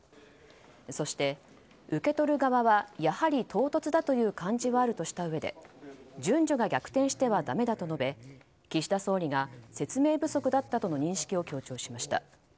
そして、受け取る側はやはり唐突だという感じはあるとしたうえで順序が逆転してはだめだと述べ岸田総理が説明不足だったとの認識を強調しました。